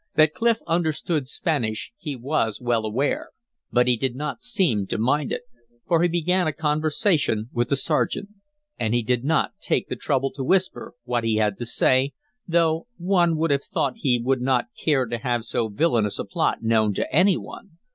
That Clif understood Spanish he was well aware. But he did not seem to mind it. For he began a conversation with the sergeant. And he did not take the trouble to whisper what he had to say, though one would have thought he would not care to have so villainous a plot known to any one.